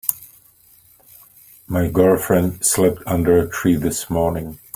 My girlfriend slept under a tree this morning.